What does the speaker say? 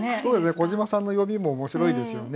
小島さんの読みも面白いですよね。